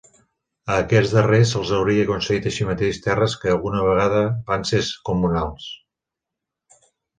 A aquests darrers se'ls hauria concedit així mateix terres que alguna vegada van ser comunals.